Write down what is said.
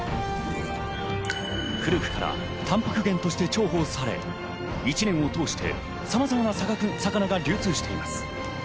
古くからタンパク源として重宝され、１年を通してさまざまな魚が流通しています。